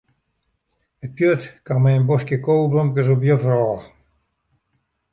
It pjut kaam mei in boskje koweblomkes op juffer ôf.